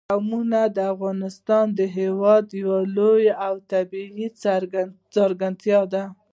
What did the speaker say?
قومونه د افغانستان هېواد یوه لویه او طبیعي ځانګړتیا ده.